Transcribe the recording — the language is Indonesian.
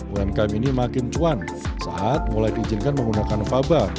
umkm ini makin cuan saat mulai diizinkan menggunakan faba